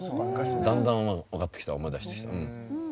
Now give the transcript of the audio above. だんだん分かってきた思い出してきた。